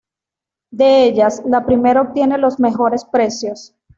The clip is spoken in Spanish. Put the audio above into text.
De ellas, la primera obtiene los mejores precios.